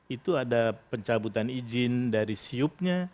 itu ada pencabutan izin dari siup nya